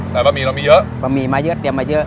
แต่บะหมี่เรามีเยอะบะหมี่มาเยอะเตรียมมาเยอะ